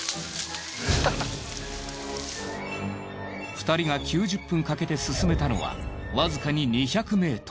２人が９０分かけて進めたのはわずかに２００ｍ。